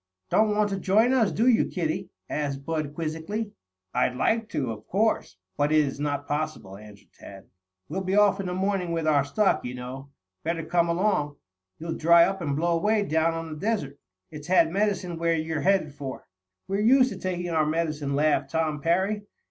"Don't want to join us, do you, kiddie?" asked Bud quizzically. "I'd like to, of course. But it is not possible," answered Tad. "We'll be off in the morning with our stock, you know. Better come along. You'll dry up and blow away down on the desert. It's had medicine where you're headed for." "We're used to taking our medicine," laughed Tom Parry.